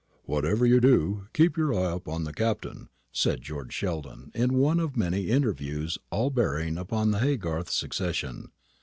"Whatever you do, keep your eye upon the Captain," said George Sheldon, in one of many interviews, all bearing upon the Haygarth succession.